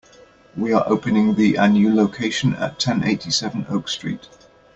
We are opening the a new location at ten eighty-seven Oak Street.